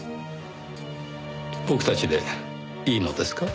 僕たちでいいのですか？